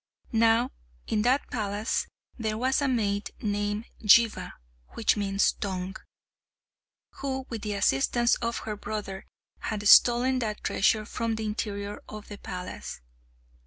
Now in that palace there was a maid named Jihva (which means Tongue), who, with the assistance of her brother, had stolen that treasure from the interior of the palace.